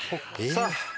さあ！